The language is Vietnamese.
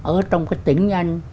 ở trong cái tỉnh anh